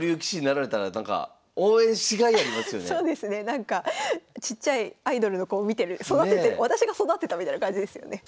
なんかちっちゃいアイドルの子を見てる私が育てたみたいな感じですよね。